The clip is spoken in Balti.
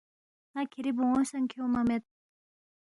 ن٘ا کِھری بون٘و سہ کھیونگما مید